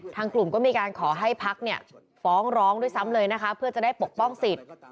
ทางกลุ่มก็มีการขอให้พักเนี่ยฟ้องร้องด้วยซ้ำเลยนะคะเพื่อจะได้ปกป้องสิทธิ์